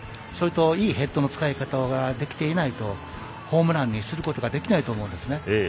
それと、いいヘッドの使い方ができていないとホームランにすることができないと思うんですね。